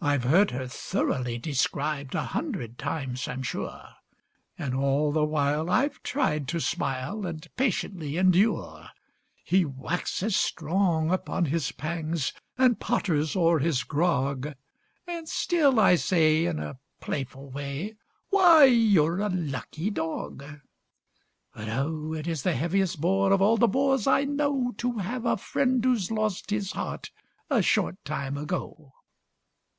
I've heard her thoroughly described A hundred times, I'm sure; And all the while I've tried to smile, And patiently endure; He waxes strong upon his pangs, And potters o'er his grog; And still I say, in a playful way, "Why you're a lucky dog!" But oh! it is the heaviest bore, Of all the bores I know, To have a friend who's lost his heart A short time ago.